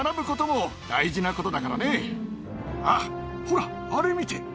あぁほらあれ見て。